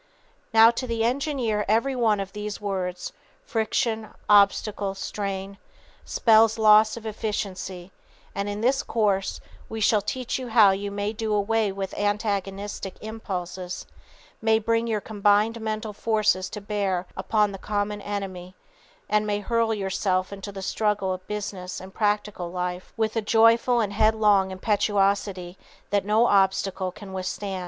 Now, to the engineer every one of these words friction, obstacle, strain spells loss of efficiency, and in this Course we shall teach you how you may do away with antagonistic impulses, may bring your combined mental forces to bear upon the common enemy, and may hurl yourself into the struggles of business and practical life with a joyful and headlong impetuosity that no obstacle can withstand.